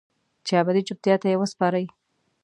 چې ابدي چوپتیا ته یې وسپارئ